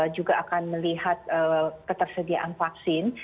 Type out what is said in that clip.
juga akan melihat ketersediaan vaksin